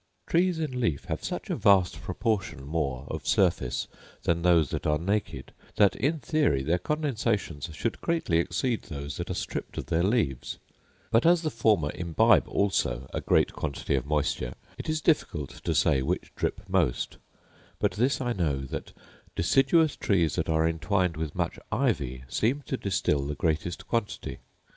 Trees in leaf have such a vast proportion more of surface than those that are naked, that, in theory, their condensations should greatly exceed those that are stripped of their leaves; but, as the former imbibe also a great quantity of moisture, it is difficult to say which drip most: but this I know, that deciduous trees that are entwined with much ivy seem to distil the greatest quantity.